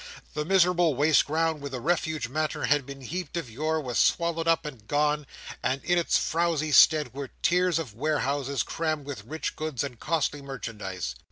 The miserable waste ground, where the refuse matter had been heaped of yore, was swallowed up and gone; and in its frowsy stead were tiers of warehouses, crammed with rich goods and costly merchandise.